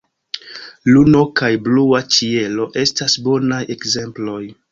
Luno kaj blua ĉielo estas bonaj ekzemploj.